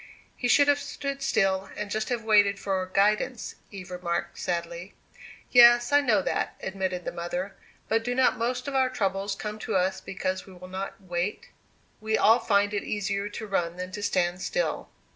"He should have stood still, and just have waited for guidance," Eve remarked, sadly. "Yes, I know that," admitted the mother. "But do not most of our troubles come to us because we will not wait? We all find it easier to run than to stand still."